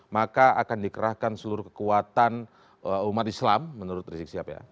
maka akan dikerahkan seluruh kekuatan umat islam menurut rizik siap ya